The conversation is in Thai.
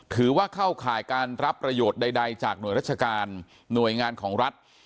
ถือว่าเข้าข่ายการรับประโยชน์ใดจากหน่วยราชการหน่วยงานของรัฐ